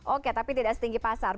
oke tapi tidak setinggi pasar